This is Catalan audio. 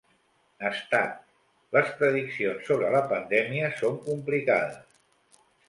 Stat: Les prediccions sobre la pandèmia són complicades.